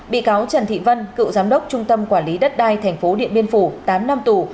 bị cáo trần thị vân cựu giám đốc trung tâm quản lý đất đai tp điện biên phủ tám năm tù